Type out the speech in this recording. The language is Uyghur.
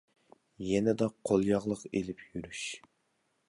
يېنىدا قول ياغلىق ئېلىپ يۈرۈش.